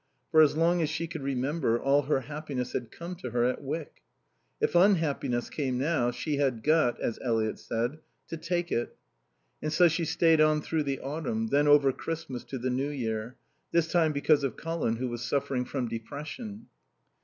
For as long as she could remember all her happiness had come to her at Wyck. If unhappiness came now, she had got, as Eliot said, "to take it." And so she stayed on through the autumn, then over Christmas to the New Year; this time because of Colin who was suffering from depression.